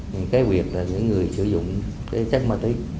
những người sử dụng chất ma túy